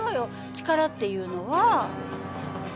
力っていうのは。